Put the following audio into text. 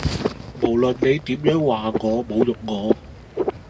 無論你點樣話我侮辱我